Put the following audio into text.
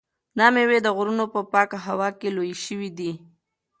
دا مېوې د غرونو په پاکه هوا کې لویې شوي دي.